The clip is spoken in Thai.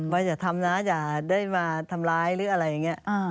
อย่าทำนะอย่าได้มาทำร้ายหรืออะไรอย่างนี้